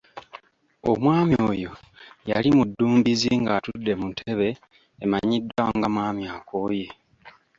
Omwami oyo yali mu ddumbiizi ng'atudde mu ntebe emanyiddwa nga "Mwami akooye".